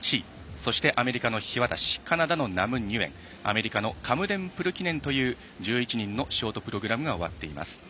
そして、アメリカの樋渡カナダのナム・ニュエンアメリカのカムデン・プルキネンという１１人のショートプログラムが終わっています。